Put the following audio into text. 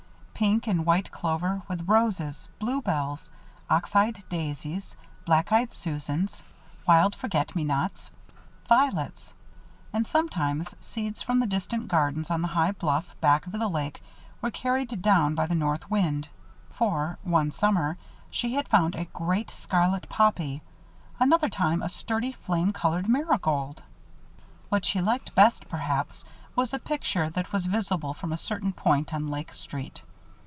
Pink and white clover, with roses, bluebells, ox eyed daisies, black eyed Susans, wild forgetmenots, violets. And sometimes, seeds from the distant gardens on the high bluff back of the lake were carried down by the north wind; for, one summer, she had found a great, scarlet poppy; another time a sturdy flame colored marigold. What she liked best, perhaps, was a picture that was visible from a certain point on Lake Street.